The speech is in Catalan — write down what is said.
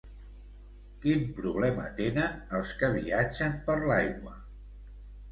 Quin problema tenen els que viatgen per l'aigua?